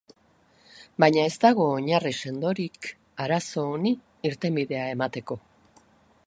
Baina ez dago oinarri sendorik arazo honi irtenbidea emateko.